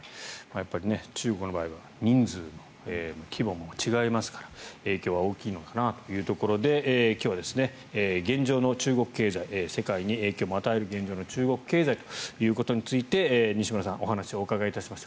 中国の場合は人数も規模も違いますから影響は大きいのかなというところで今日は現状の中国経済世界にも影響を与える中国経済ということについて西村さんにお話を伺いました。